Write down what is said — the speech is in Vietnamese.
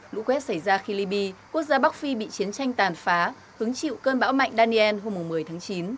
lũ quét xảy ra khi liby quốc gia bắc phi bị chiến tranh tàn phá hứng chịu cơn bão mạnh daniel hôm một mươi tháng chín